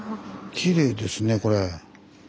きれいですねこれ。